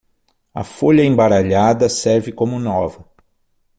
A folha embaralhada serve como nova.